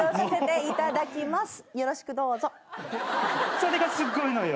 それがすっごいのよ。